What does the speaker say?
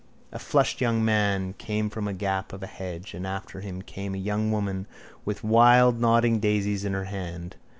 _ A flushed young man came from a gap of a hedge and after him came a young woman with wild nodding daisies in her hand.